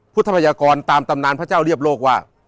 พยากรตามตำนานพระเจ้าเรียบโลกว่า